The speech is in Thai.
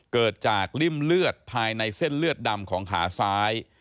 เกิดจากริ่มเลือดภายในเส้นเลือดดำของขาซ้าย